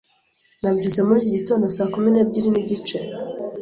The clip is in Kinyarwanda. Nabyutse muri iki gitondo saa kumi n'ebyiri n'igice.